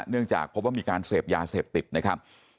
เนื่องจากพบว่ามีการเสพยาเสพติดนะครับ